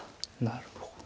なるほど。